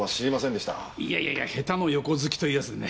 いやいや下手の横好きというやつでね。